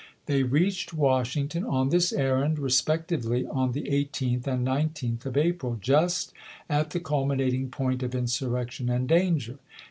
They reached Washington on this errand respec tively on the 18th and 19th of April, just at the cul minating point of insurrection and danger.